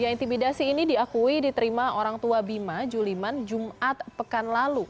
intimidasi ini diakui diterima orang tua bima juliman jumat pekan lalu